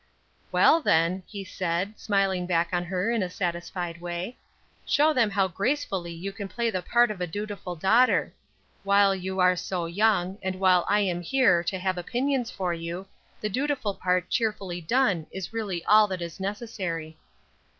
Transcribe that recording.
"Well, then," he said, smiling back on her in a satisfied way, "show them how gracefully you can play the part of a dutiful daughter. While you are so young, and while I am here to have opinions for you, the dutiful part cheerfully done is really all that is necessary."